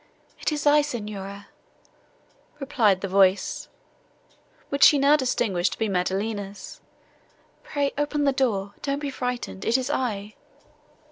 "It is I, Signora," replied the voice, which she now distinguished to be Maddelina's, "pray open the door. Don't be frightened, it is I."